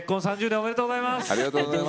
３０年おめでとうございます。